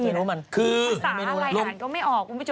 คือภาษาอะไรอ่านก็ไม่ออกคุณผู้ชม